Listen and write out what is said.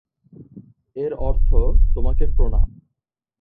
এর অর্থ "তোমাকে প্রণাম"।